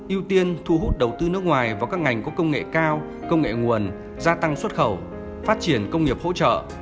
ưu tiên thu hút đầu tư nước ngoài vào các ngành có công nghệ cao công nghệ nguồn gia tăng xuất khẩu phát triển công nghiệp hỗ trợ